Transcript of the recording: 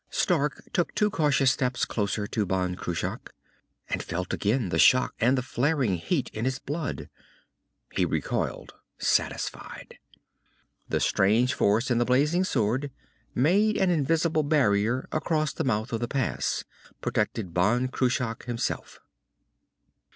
Stark took two cautious steps closer to Ban Cruach, and felt again the shock and the flaring heat in his blood. He recoiled, satisfied. The strange force in the blazing sword made an invisible barrier across the mouth of the pass, protected Ban Cruach himself.